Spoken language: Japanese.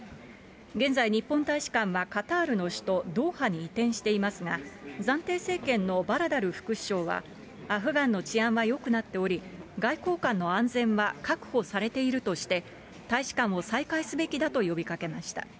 現在、日本大使館はカタールの首都ドーハに移転していますが、暫定政権のバラダル副首相は、アフガンの治安はよくなっており、外交官の安全は確保されているとして、大使館を再開すべきだと呼びかけました。